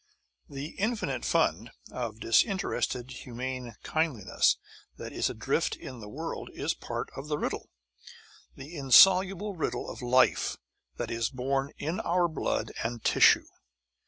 The infinite fund of disinterested humane kindliness that is adrift in the world is part of the riddle, the insoluble riddle of life that is born in our blood and tissue.